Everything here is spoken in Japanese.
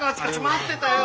待ってたよ。